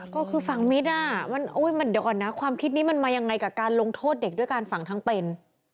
ก็คือฝั่งมิตรเดี๋ยวก่อนนะความคิดนี้มันมายังไงกับการลงโทษเด็กด้วยการฝังทั้งเป็น